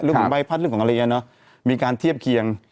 เรื่องของใบพัดเรื่องของอเลียเนอะมีการเทียบเคียง